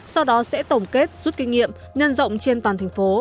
sau đó sẽ tổng kết rút kinh nghiệm nhân rộng trên toàn thành phố